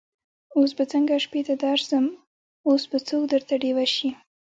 اوس به څنګه شپې ته درسم اوس به څوک درته ډېوه سي